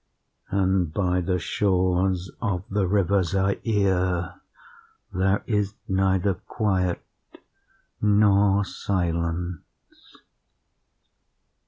And by the shores of the river Zaire there is neither quiet nor silence.